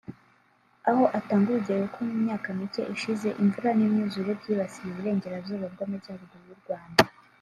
aho atanga urugero ko mu myaka mike ishize imvura n’imyuzure byibasiye Uburengerazuba bw’Amajyaruguru y’u Rwanda